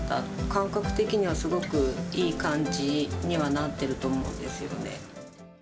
感覚的にはすごくいい感じにはなってると思うんですよね。